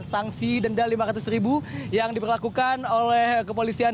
sanksi denda lima ratus ribu yang diperlakukan oleh kepolisian